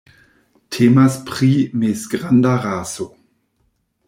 Temas pri mezgranda raso.